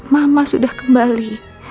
mama sudah kembali